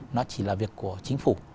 nó chỉ là việc của chính phủ